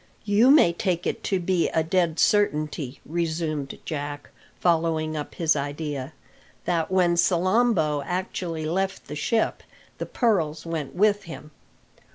"You may take it to be a dead certainty," resumed Jack, following up his idea, "that when Salambo actually left the ship, the pearls went with him.